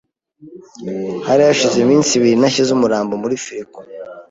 Hari hashize iminsi ibiri ntashyize umurambo muri firigo.